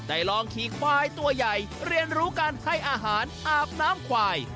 ลองขี่ควายตัวใหญ่เรียนรู้การให้อาหารอาบน้ำควาย